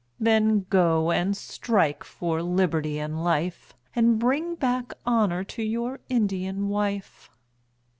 Then go and strike for liberty and life, And bring back honour to your Indian wife.